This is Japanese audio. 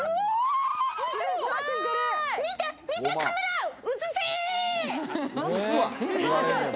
見て、カメラ、映せ！